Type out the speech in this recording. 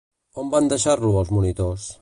On van deixar-lo els monitors?